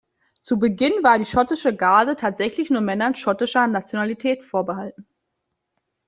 Zu Beginn war die Schottische Garde tatsächlich nur Männern schottischer Nationalität vorbehalten.